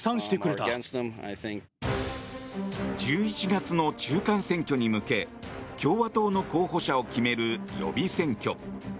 １１月の中間選挙に向け共和党の候補者を決める予備選挙。